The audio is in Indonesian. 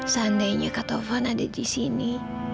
seandainya katafan ada di sini